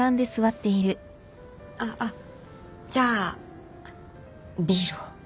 あっじゃあビールを。